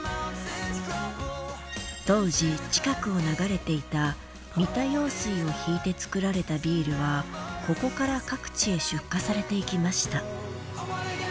当時近くを流れていた三田用水を引いて造られたビールはここから各地へ出荷されていきました。